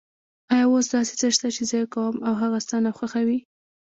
آیا اوس داسې څه شته چې زه یې کوم او هغه ستا ناخوښه وي؟